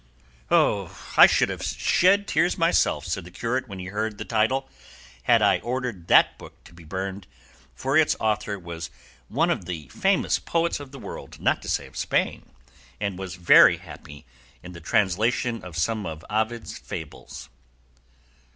"I should have shed tears myself," said the curate when he heard the title, "had I ordered that book to be burned, for its author was one of the famous poets of the world, not to say of Spain, and was very happy in the translation of some of Ovid's fables."